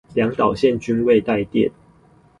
兩導線均未帶電